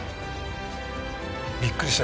びっくりしたよ